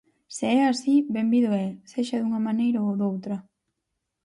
Se é así, benvido é, sexa dunha maneira ou doutra.